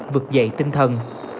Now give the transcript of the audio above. vực dậy tinh thần